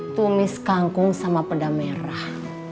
tumis kangkung sama peda merah